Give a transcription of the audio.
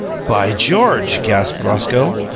"By George!" gasped Roscoe.